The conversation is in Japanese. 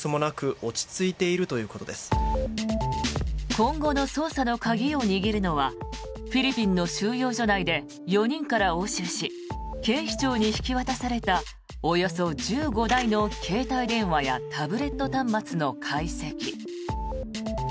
今後の捜査の鍵を握るのはフィリピンの収容所内で４人から押収し警視庁に引き渡されたおよそ１５台の携帯電話やタブレット端末の解析。